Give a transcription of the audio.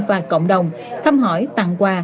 và cộng đồng thăm hỏi tặng quà